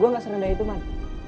gue gak serendah itu man